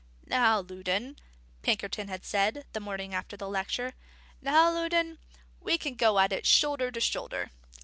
"Now, Loudon," Pinkerton had said, the morning after the lecture, "now Loudon, we can go at it shoulder to shoulder.